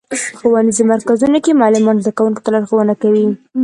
په ښوونیزو مرکزونو کې معلمان زدهکوونکو ته لارښوونه کوي.